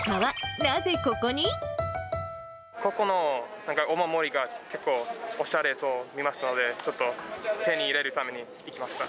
ここのお守りが結構おしゃれと見ましたので、ちょっと手に入れるために来ました。